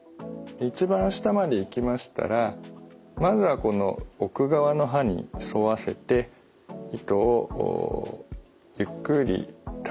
一番下までいきましたらまずはこの奥側の歯に沿わせて糸をゆっくりた